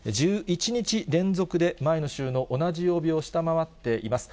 １１日連続で前の週の同じ曜日を下回っています。